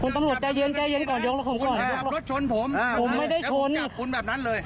ตำรวจดูขึ้นเหมือนกันนะ